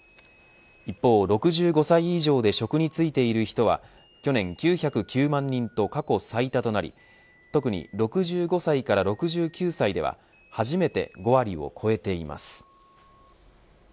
一方、６５歳以上で職に就いている人は去年９０９万人と過去最多となり特に６５歳から６９歳では初めて５割を超えています。